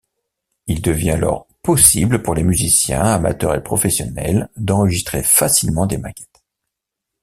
Il devient alors possible pour les musiciens, amateurs et professionnels d'enregistrer facilement des maquettes.